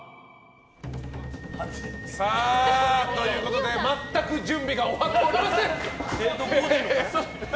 さあ、ということで全く準備が終わっていません。